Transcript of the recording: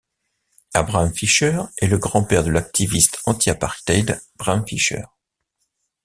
Abraham Fischer est le grand-père de l'activiste anti-apartheid Bram Fischer.